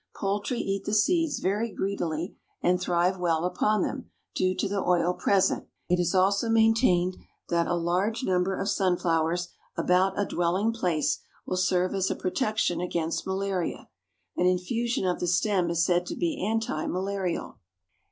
Poultry eat the seeds very greedily and thrive well upon them, due to the oil present. It is also maintained that a large number of sunflowers about a dwelling place will serve as a protection against malaria. An infusion of the stem is said to be anti malarial.